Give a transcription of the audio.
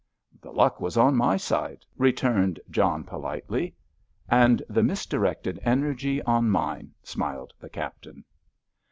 "The luck was on my side," returned John politely. "And the misdirected energy on mine," smiled the Captain.